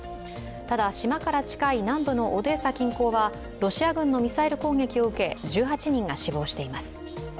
ただ島から近い南部のオデーサ近郊はロシア軍のミサイル攻撃を受け１８人が死亡しています。